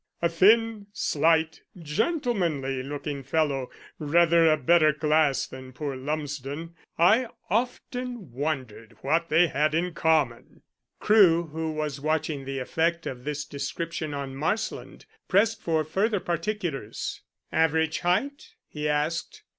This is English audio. A thin, slight, gentlemanly looking fellow. Rather a better class than poor Lumsden. I often wondered what they had in common." Crewe, who was watching the effect of this description on Marsland, pressed for further particulars. "Average height?" he asked.